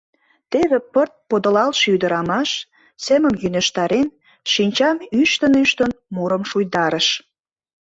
Теве пырт подылалше ӱдырамаш, семым йӧнештарен, шинчам ӱштын-ӱштын, мурым шуйдарыш.